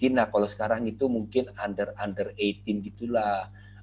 nah kalau sekarang itu mungkin under under delapan belas gitu lah